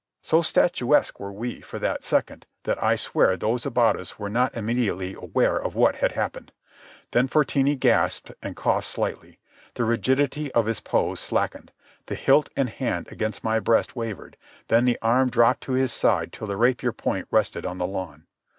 So statuesque were we for that second that I swear those about us were not immediately aware of what had happened. Then Fortini gasped and coughed slightly. The rigidity of his pose slackened. The hilt and hand against my breast wavered, then the arm drooped to his side till the rapier point rested on the lawn.